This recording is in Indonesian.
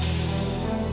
aku mau pulang